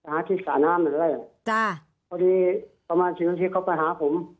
หาที่สาน้ำอะไรจ้ะพอดีประมาณสิบนาทีเขาไปหาผม